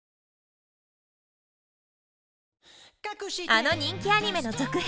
あの人気アニメの続編